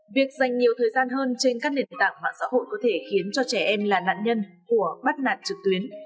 việc dành nhiều thời gian hơn trên các nền tảng mạng xã hội có thể khiến cho trẻ em là nạn nhân của bắt nạt trực tuyến